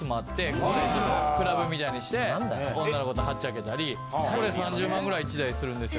ここでちょっとクラブみたいにして女の子とはっちゃけたりこれ３０万ぐらい１台するんですよ。